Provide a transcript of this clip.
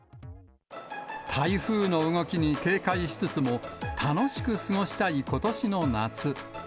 台風の動きに警戒しつつも、楽しく過ごしたいことしの夏。